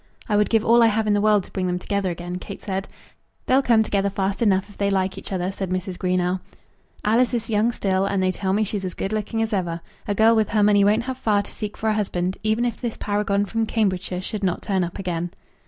"I would give all I have in the world to bring them together again," Kate said. "They'll come together fast enough if they like each other," said Mrs. Greenow. "Alice is young still, and they tell me she's as good looking as ever. A girl with her money won't have far to seek for a husband, even if this paragon from Cambridgeshire should not turn up again."